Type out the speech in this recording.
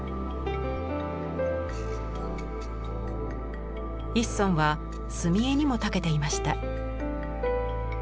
一村は墨絵にもたけていました。